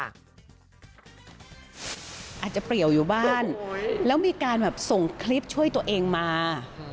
อาจจะเปรียวอยู่บ้านแล้วมีการแบบส่งคลิปช่วยตัวเองมา